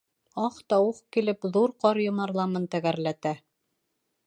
Ах та ух килеп ҙур ҡар йомарламын тәгәрләтә.